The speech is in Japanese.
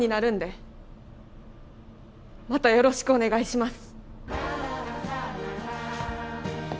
どうかよろしくお願いします。